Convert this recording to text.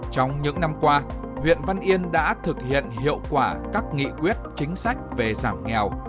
trong những năm qua huyện văn yên đã thực hiện hiệu quả các nghị quyết chính sách về giảm nghèo